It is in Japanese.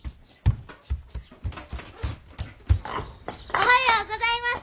おはようございます。